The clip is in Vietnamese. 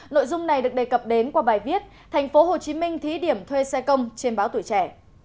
nội dung này được đề cập đến qua bài viết thành phố hồ chí minh thí điểm thuê xe công trên báo tuổi trẻ